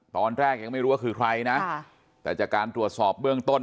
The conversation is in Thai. ตอนแรกยังไม่รู้ว่าคือใครนะแต่จากการตรวจสอบเบื้องต้น